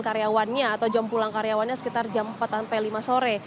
karyawannya atau jam pulang karyawannya sekitar jam empat sampai lima sore